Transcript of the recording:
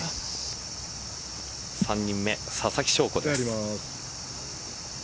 ３人目、ささきしょうこです。